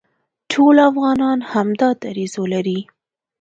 ټول افغانان همدا دریځ ولري،